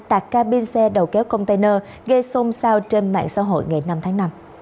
tạc ca bin xe đầu kéo container gây xôn xao trên mạng xã hội ngày năm tháng năm